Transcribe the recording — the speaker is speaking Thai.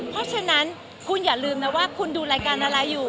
เพราะฉะนั้นคุณอย่าลืมนะว่าคุณดูรายการอะไรอยู่